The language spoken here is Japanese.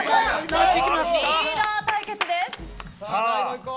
リーダー対決です。